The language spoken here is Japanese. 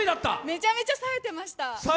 めちゃめちゃさえてました。